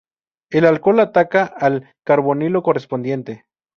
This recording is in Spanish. El alcohol ataca al carbonilo correspondiente.